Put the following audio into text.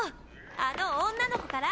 あの女の子から。